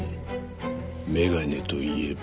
眼鏡といえば。